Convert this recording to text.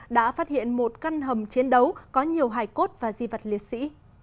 đã phát hiện một căn hầm chiến đấu có nhiều hải cốt và di vật liệt sĩ